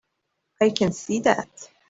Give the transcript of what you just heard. I can see that.